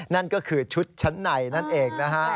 นั่นก็คือชุดชั้นในนั่นเองนะฮะ